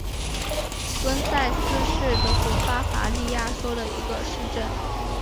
翁塞斯是德国巴伐利亚州的一个市镇。